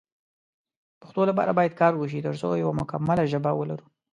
پښتو لپاره باید کار وشی ترڅو یو مکمله ژبه ولرو